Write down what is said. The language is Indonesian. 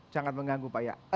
sangat mengganggu pak ya